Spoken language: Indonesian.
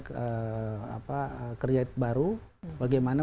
kreatifitas yang baru bagaimana